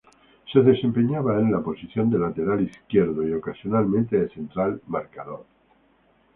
Se desempeñaba en la posición de lateral izquierdo, y, ocasionalmente, de central marcador.